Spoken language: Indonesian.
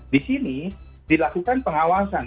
di sini dilakukan pengawasan